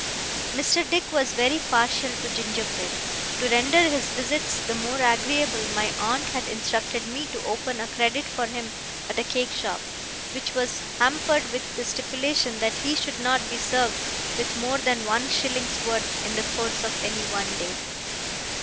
Mr. Dick was very partial to gingerbread. To render his visits the more agreeable, my aunt had instructed me to open a credit for him at a cake shop, which was hampered with the stipulation that he should not be served with more than one shilling's worth in the course of any one day.